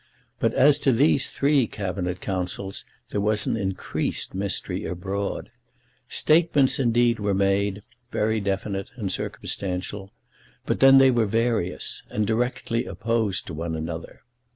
But as to these three Cabinet Councils there was an increased mystery abroad. Statements, indeed, were made, very definite and circumstantial, but then they were various, and directly opposed one to another.